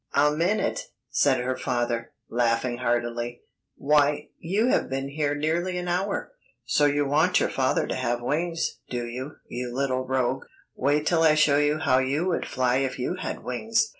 "A minute!" said her father, laughing heartily; "why, you have been here nearly an hour. So you want your father to have wings, do you, you little rogue! Wait till I show you how you would fly if you had wings."